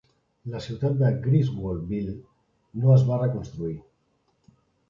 La ciutat de Griswoldville no es va reconstruir.